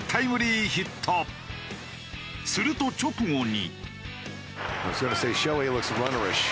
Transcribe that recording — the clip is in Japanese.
すると直後に。